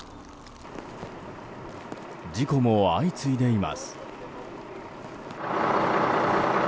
事故も相次いでいます。